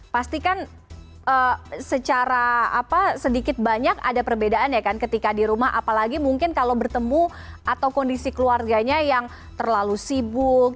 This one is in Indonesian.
pastikan secara sedikit banyak ada perbedaan ya kan ketika di rumah apalagi mungkin kalau bertemu atau kondisi keluarganya yang terlalu sibuk